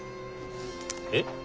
えっ？